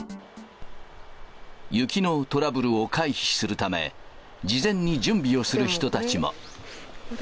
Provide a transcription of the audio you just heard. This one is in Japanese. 雪のトラブルを回避するため、事前に準備をする人たちも。